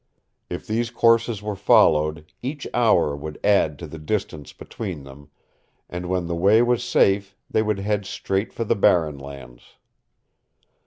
If these courses were followed, each hour would add to the distance between them, and when the way was safe they would head straight for the Barren Lands.